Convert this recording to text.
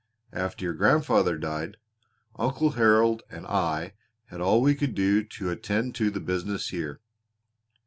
After your grandfather died, Uncle Harold and I had all we could do to attend to the business here.